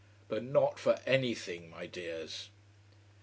But not for anything, my dears!